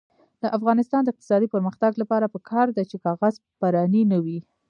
د افغانستان د اقتصادي پرمختګ لپاره پکار ده چې کاغذ پراني نه وي.